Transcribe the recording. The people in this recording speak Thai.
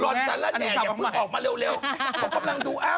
ตอนแน่อย่าเพิ่มออกมาเร็วเขากำลังดูอ้ำ